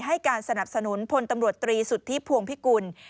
ให้การสนับสนุนพลตำรวจตรีสุทธิพวงพิกุล